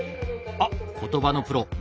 あっ言葉のプロ元